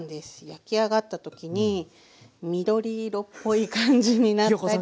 焼き上がった時に緑色っぽい感じになったり。